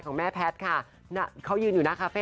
แม่แพทย์ค่ะเขายืนอยู่หน้าคาเฟ่